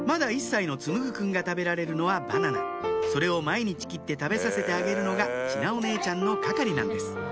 １歳の紡くんが食べられるのはバナナそれを毎日切って食べさせてあげるのが智奈お姉ちゃんの係なんです